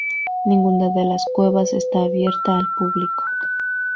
Ninguna de las cuevas está abierta al público.